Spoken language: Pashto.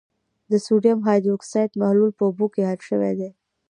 د سوډیم هایدروکسایډ محلول په اوبو کې حل شوی دی.